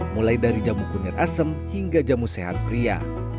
mulai dari jamu kunyit asem hingga jamu sehat pria